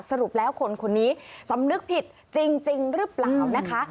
สรุปแล้วคนคนนี้สำนึกผิดจริงหรือเปล่านะคะ